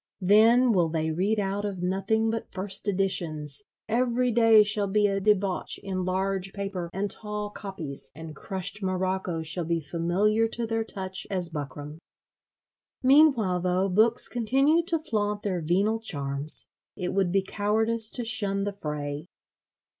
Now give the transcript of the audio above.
Then will they read out of nothing but first editions; every day shall be a debauch in large paper and tall copies; and crushed morocco shall be familiar to their touch as buckram. Meanwhile, though, books continue to flaunt their venal charms; it would be cowardice to shun the fray.